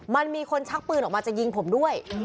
มันมีคนชักปืนออกมาจะยิงผมด้วย